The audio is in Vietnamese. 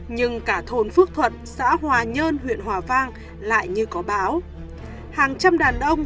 nhưng cả thôn phước thuận xã hòa nhơn huyện hòa vang lại như có báo hàng trăm đàn ông